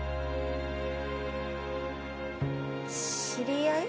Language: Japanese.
知り合い？